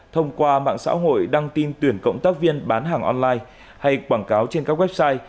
thông qua mạng xã hội đăng tin tuyển cộng tác viên bán hàng online hay quảng cáo trên các website